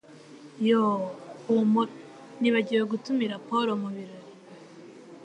Yoo, humura! Nibagiwe gutumira Paul mubirori